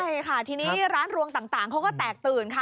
ใช่ค่ะทีนี้ร้านรวงต่างเขาก็แตกตื่นค่ะ